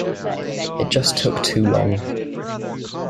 It just took too long.